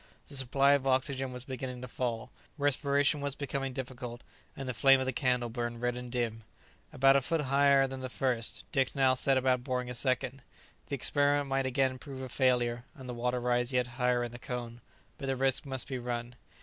The supply of oxygen was beginning to fail, respiration was becoming difficult, and the flame of the candle burned red and dim. About a foot higher than the first hole, Dick now set about boring a second. The experiment might again prove a failure, and the water rise yet higher in the cone; but the risk must be run.